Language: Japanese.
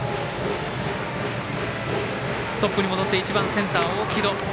トップに戻って１番センター、大城戸。